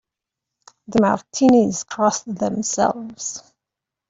The Martinis cross themselves.